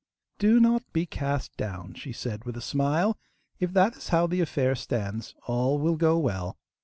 'Do not be cast down,' she said with a smile; 'if that is how the affair stands all will go well.